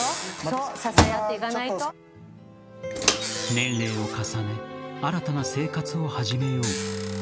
年齢を重ね新たな生活を始めよう。